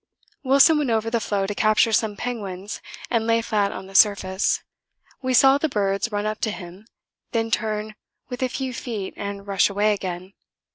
Wilson went over the floe to capture some penguins and lay flat on the surface. We saw the birds run up to him, then turn within a few feet and rush away again.